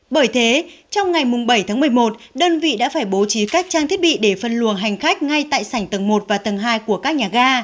bởi thế trong ngày bảy tháng một mươi một đơn vị đã phải bố trí các trang thiết bị để phân luồng hành khách ngay tại sảnh tầng một và tầng hai của các nhà ga